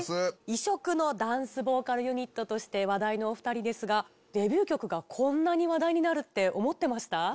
異色のダンスボーカルユニットとして話題のお２人ですがデビュー曲がこんなに話題になるって思ってました？